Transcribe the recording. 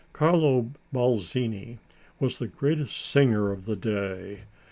Carlo Balzini was the greatest singer of the day.